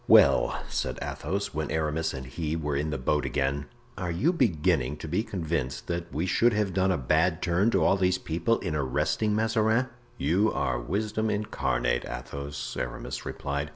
"Well," said Athos, when Aramis and he were in the boat again, "are you beginning to be convinced that we should have done a bad turn to all these people in arresting Mazarin?" "You are wisdom incarnate, Athos," Aramis replied.